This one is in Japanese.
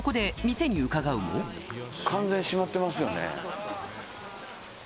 完全に閉まってますよね。